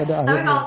gak ada akhirnya